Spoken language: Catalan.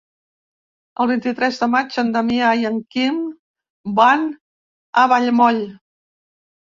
El vint-i-tres de maig en Damià i en Quim van a Vallmoll.